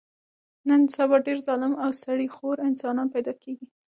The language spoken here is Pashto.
نن سبا ډېر ظالم او سړي خور انسانان پیدا کېږي.